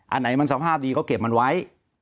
อันไหนมันสภาพดีก็เก็บมันไว้